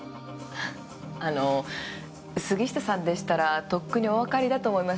あの杉下さんでしたらとっくにおわかりだと思いましたけど。